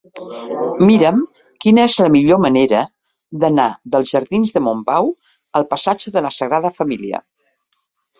Mira'm quina és la millor manera d'anar dels jardins de Montbau al passatge de la Sagrada Família.